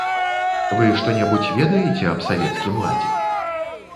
Вы што-небудзь ведаеце аб савецкім ладзе?